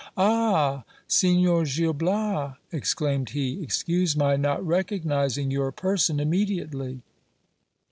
Ah, Signor Gil Bias ! exclaimed he, excuse my not recognizing your person immediately.